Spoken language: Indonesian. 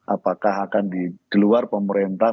apakah akan di luar pemerintah